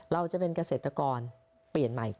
เราจะเป็นเกษตรกรเปลี่ยนใหม่